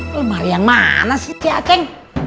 lemari yang mana sih si achen